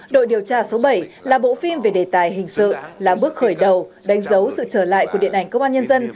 đội điều tra số bảy là bộ phim về đề tài hình sự là bước khởi đầu đánh dấu sự trở lại của điện ảnh công an nhân dân